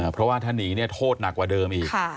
เพราะว่าถ้าหนีเนี่ยโทษหนักกว่าเดิมอีก